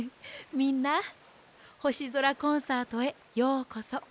みんなほしぞらコンサートへようこそ。